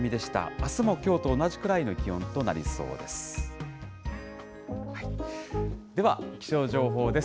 あすもきょうと同じくらいの気温となりそうです。